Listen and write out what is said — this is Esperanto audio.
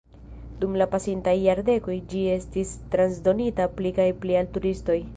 Dum la pasintaj jardekoj ĝi estis transdonita pli kaj pli al turistoj.